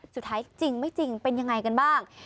จริงไม่จริงเป็นยังไงกันบ้าง